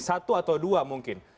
satu atau dua mungkin